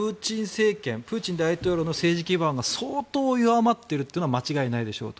プーチン大統領の政治基盤が相当弱まっているっていうのは間違いないでしょう。